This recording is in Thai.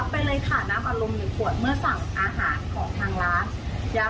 ไปเลยค่ะน้ำอารมณ์๑ขวดเมื่อสั่งอาหารของทางร้านยา